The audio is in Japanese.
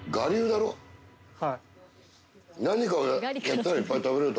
はい。